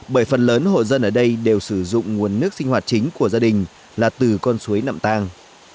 bởi phần lớn hộ dân ở đây đều sử dụng nguồn nước sinh hoạt chính của gia đình là từ con suối nậm tang